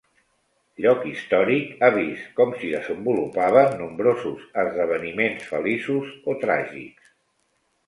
Lloc històric, ha vist com s'hi desenvolupaven nombrosos esdeveniments feliços o tràgics.